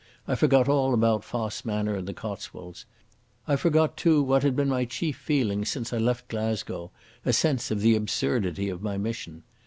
I forgot all about Fosse Manor and the Cotswolds. I forgot, too, what had been my chief feeling since I left Glasgow, a sense of the absurdity of my mission.